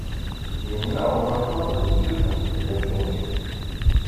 Yenna unaẓuṛ deg yiwet n tezlatin-is.